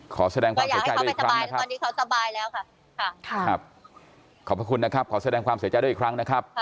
ขอแสดงความเสียใจด้วยอีกครั้งนะครับขอบพระคุณนะครับขอแสดงความเสียใจด้วยอีกครั้งนะครับ